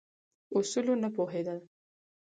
اصولو نه پوهېدل.